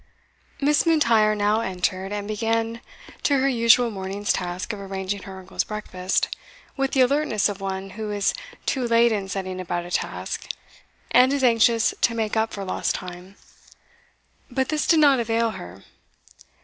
Miss M'Intyre now entered, and began to her usual morning's task of arranging her uncle's breakfast, with the alertness of one who is too late in setting about a task, and is anxious to make up for lost time. But this did not avail her.